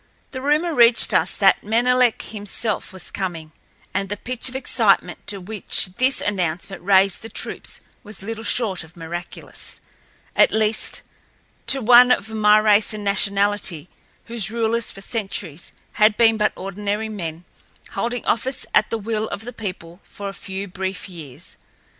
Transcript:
The rumor reached us that Menelek himself was coming, and the pitch of excitement to which this announcement raised the troops was little short of miraculous—at least, to one of my race and nationality whose rulers for centuries had been but ordinary men, holding office at the will of the people for a few brief years.